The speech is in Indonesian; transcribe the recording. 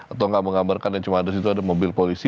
atau nggak menggambarkan yang cuma di situ ada mobil polisi